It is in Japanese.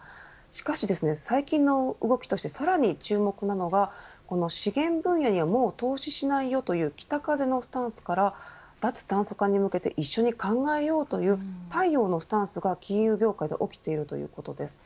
しかし最近の動きとしてさらに注目なのはこの資源分野にはもう投資しないよという北風のスタンスから脱炭素化に向けて一緒に考えようという太陽のスタンスが金融業界で起きているということです。